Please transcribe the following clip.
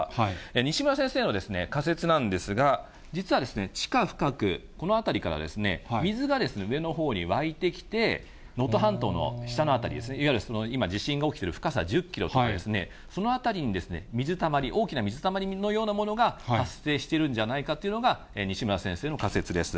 西村先生の仮説なんですが、実は地下深く、この辺りからですね、水が上のほうに湧いてきて、能登半島の下の辺りですね、いわゆる今、地震が起きている深さ１０キロとか、その辺りに水たまり、大きな水たまりのようなものが発生しているんじゃないかというのが、西村先生の仮説です。